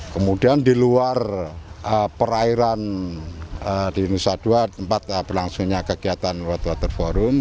kemudian di luar perairan di nusa dua tempat berlangsungnya kegiatan world water forum